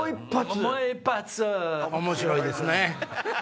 「面白いですね」。